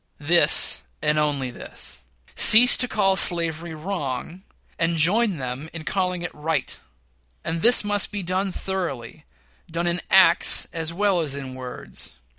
This, and this only: cease to call slavery wrong, and join them in calling it right. And this must be done thoroughly done in acts as well as in words.